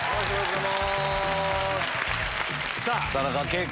さぁ田中圭君。